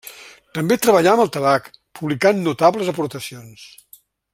També treballà amb el tabac, publicant notables aportacions.